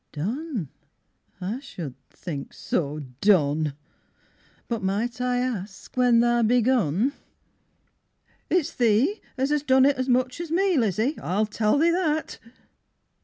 Done, I should think so Done! But might I ask when tha begun? It's thee as 'as done it as much as me, Lizzie, I tell thee that.